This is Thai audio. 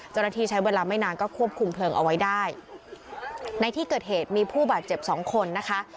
เจ้าหน้าที่ใช้เวลาไม่นานก็ควบคุมเพลิงเอาไว้ได้ในที่เกิดเหตุมีผู้บาดเจ็บสองคนนะคะ